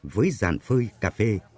với dàn phơi cà phê